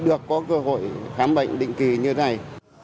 được có cơ hội khám bệnh định kỳ như thế này